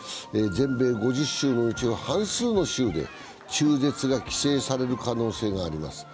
全米５０州のうちの半数の州で中絶が規制される可能性があります。